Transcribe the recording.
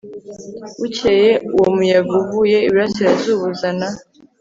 Bukeye uwo muyaga uvuye iburasirazuba uzana